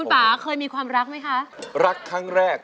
ด้านล่างเขาก็มีความรักให้กันนั่งหน้าตาชื่นบานมากเลยนะคะ